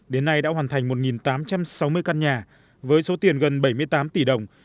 đến nay đã hoàn thành một tám trăm sáu mươi căn nhà với số tiền gần bảy mươi tám tỷ đồng